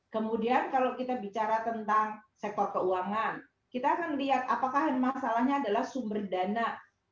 kemudian kalau kita bicara tentang sektor keuangan kita akan lihat apakah masalahnya adalah sumber dana